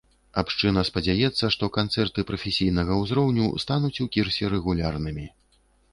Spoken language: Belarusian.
Абшчына спадзяецца, што канцэрты прафесійнага ўзроўню стануць у кірсе рэгулярнымі.